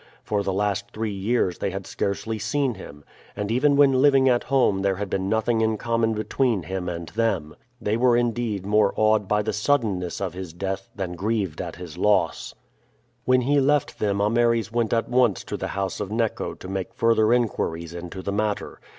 For the last three years they had scarcely seen him, and even when living at home there had been nothing in common between him and them. They were indeed more awed by the suddenness of his death than grieved at his loss. When he left them Ameres went at once to the house of Neco to make further inquiries into the matter.